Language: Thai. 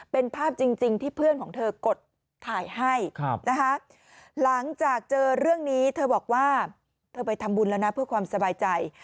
เป็นภาพจริงที่เพื่อนของเธอกดถ่ายให้นะคะหลังจากเจอเรื่องนี้เธอบอกว่าเธอไปทำบุญแล้วนะเพื่อความสบายใจ